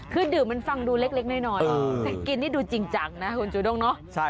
คือดื่มมันฟังดูเล็กน้อยแต่กินนี่ดูจริงจังนะคุณจูด้งเนาะ